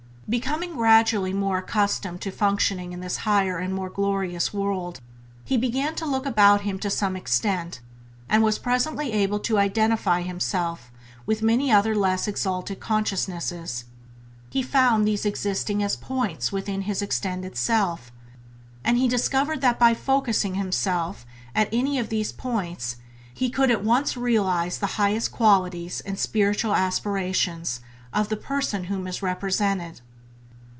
Becoming gradually more accustomed to functioning in this higher and more glorious world, he began to look about him to some extent, and was presently able to identify himself with many other less exalted consciousnesses. He found these existing as points within his extended self, and he discovered that by focussing himself at any of these points he could at once realize the highest qualities and spiritual aspirations of the person whom is represented.